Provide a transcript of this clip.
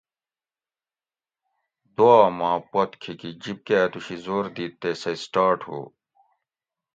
دُعا ما پت کھیکی جیپ کہ اۤتوشی زور دیت تے سہۤ سٹارٹ ہُو